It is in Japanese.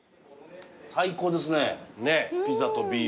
最高ですねピザとビール。